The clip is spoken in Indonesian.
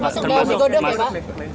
masuk dalam digodok ya pak